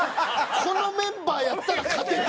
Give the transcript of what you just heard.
このメンバーやったら勝ててる！